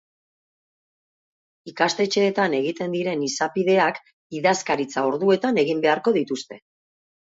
Ikastetxeetan egiten diren izapideak idazkaritza orduetan egin beharko dituzte.